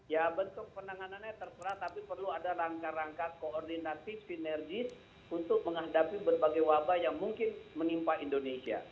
ya bentuk penanganannya terserah tapi perlu ada rangka rangka koordinatif sinergis untuk menghadapi berbagai wabah yang mungkin menimpa indonesia